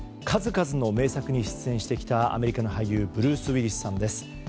数々の名作に出演してきたアメリカの俳優ブルース・ウィリスさんです。